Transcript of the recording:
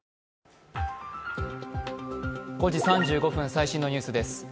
最新のニュースです。